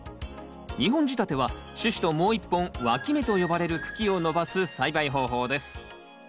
２本仕立ては主枝ともう一本わき芽と呼ばれる茎を伸ばす栽培方法です。